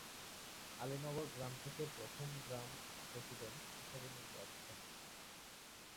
আলী নগর গ্রাম থেকে প্রথম গ্রাম প্রেসিডেন্ট হিসাবে নির্বাচিত হন।